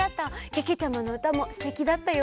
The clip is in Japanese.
けけちゃまのうたもすてきだったよ！